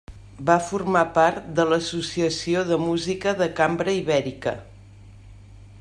Va formar part de l'Associació de Música de Cambra Ibèrica.